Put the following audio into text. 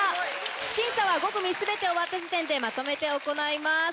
審査は５組全て終わった時点でまとめて行います。